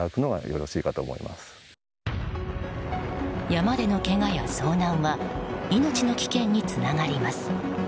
山でのけがや遭難は命の危険につながります。